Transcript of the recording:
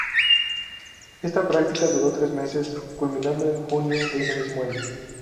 Esta práctica duró tres meses, culminando en junio de ese mismo año.